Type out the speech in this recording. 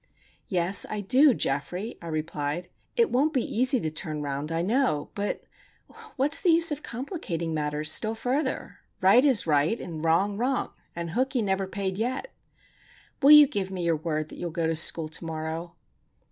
"Yes, I do, Geoffrey," I replied. "It won't be easy to turn round, I know;—but what is the use of complicating matters still further? Right is right, and wrong wrong; and hookey never paid yet. Will you give me your word that you will go to school to morrow?"